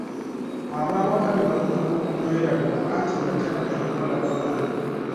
Abaawaka ne batuuka n'okumwerabira anti nga tadda kubalabako.